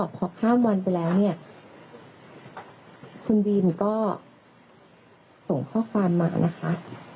พอข้ามวันไปแล้วเนี่ยคุณบีมก็ส่งข้อความมานะคะ